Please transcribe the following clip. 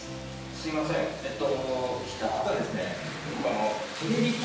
すみませんえっと。